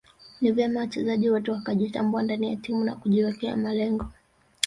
Ni vyema wachezaji wote wakajitambua ndani ya timu na kujiwekea malengo